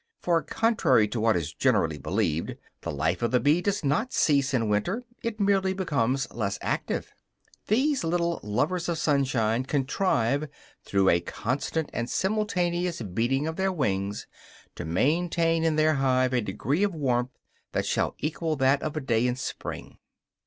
For, contrary to what is generally believed, the life of the bee does not cease in winter; it merely becomes less active. These little lovers of sunshine contrive, through a constant and simultaneous beating of their wings, to maintain in their hive a degree of warmth that shall equal that of a day in spring.